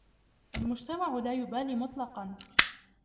المجتمع لا يبالي مطلقاً.